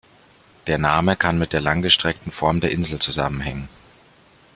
Der Name kann mit der langgestreckten Form der Insel zusammenhängen.